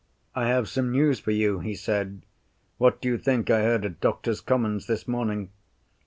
"I have some news for you," he said. "What do you think I heard at Doctors' Commons this morning?